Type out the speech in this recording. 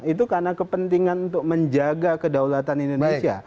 itu karena kepentingan untuk menjaga kedaulatan indonesia